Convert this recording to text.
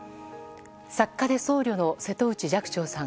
作家で僧侶の瀬戸内寂聴さん。